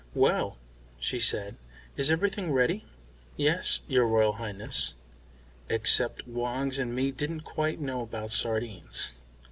"Well," she said, "is everything ready?" "Yes, your Royal Highness. Except Woggs and me didn't quite know about sardines."